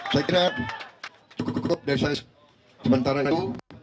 saya kira cukup cukup dari saya sementara itu